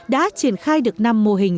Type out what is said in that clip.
đã triển khai được năm mô hình